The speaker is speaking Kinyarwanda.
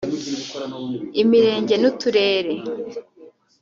Imirenge n’Uturere